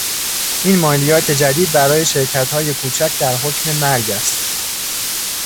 این مالیات جدید برای شرکتهای کوچک در حکم مرگ است.